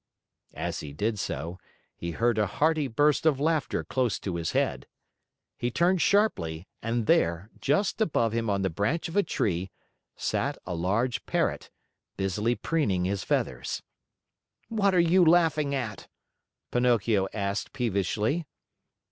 As he did so, he heard a hearty burst of laughter close to his head. He turned sharply, and there, just above him on the branch of a tree, sat a large Parrot, busily preening his feathers. "What are you laughing at?" Pinocchio asked peevishly.